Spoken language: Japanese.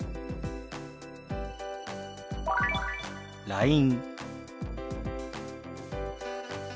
「ＬＩＮＥ」。